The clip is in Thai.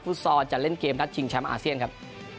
ซอลจะเล่นเกมนัดชิงแชมป์อาเซียนครับ